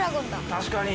確かに。